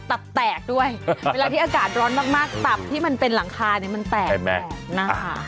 ตับแตกด้วยเวลาที่อากาศร้อนมากตับที่มันเป็นหลังคาเนี่ยมันแตกนะคะ